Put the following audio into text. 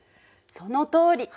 そのとおり。